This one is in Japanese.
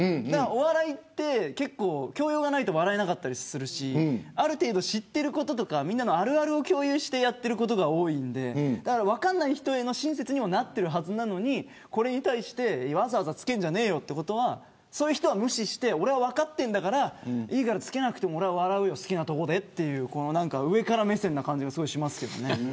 お笑いは教養がないと笑えなかったりするしある程度、知っていることやあるあるを共有してやっていることが多いので分からない人への親切になっているはずなのにこれに対して、わざわざつけんじゃねえよということはそういう人は無視して俺は分かっているからつけなくても俺は笑うよ好きなとこでという上から目線な感じがします。